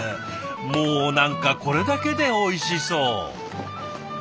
もう何かこれだけでおいしそう！